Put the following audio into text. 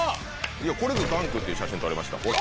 これぞダンクっていう写真撮れましたほら。